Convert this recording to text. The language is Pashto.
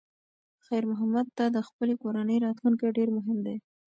خیر محمد ته د خپلې کورنۍ راتلونکی ډېر مهم دی.